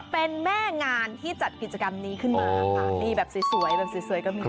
เป็นแม่งานที่จัดกิจกรรมนี้ขึ้นมาค่ะนี่แบบสวยแบบสวยก็มี